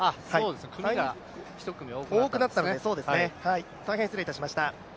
組が１組多くなったので、大変失礼いたしました。